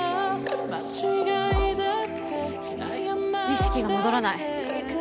意識が戻らない。